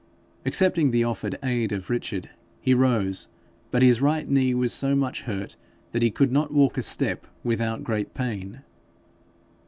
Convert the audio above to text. Accepting the offered aid of Richard, he rose; but his right knee was so much hurt that he could not walk a step without great pain.